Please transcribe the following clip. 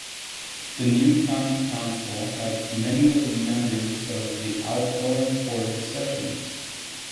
The new county council had many of the members of the outgoing quarter sessions.